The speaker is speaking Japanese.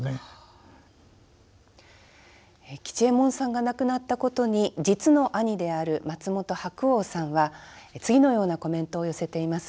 吉右衛門さんが亡くなったことに実の兄である松本白鸚さんは次のようなコメントを寄せています。